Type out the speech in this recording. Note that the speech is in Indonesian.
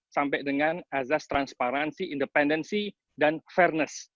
sampai dengan azaz transparency independency dan fairness